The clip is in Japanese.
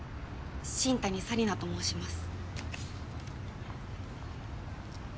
新谷沙里奈と申します。